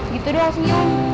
gitu doang singgung